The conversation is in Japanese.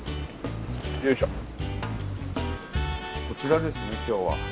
こちらですね今日は。